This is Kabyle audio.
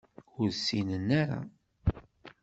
Ur ssinen ara.